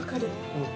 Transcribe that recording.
うん。